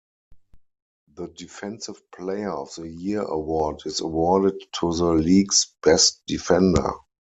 The Defensive Player of the Year Award is awarded to the league's best defender.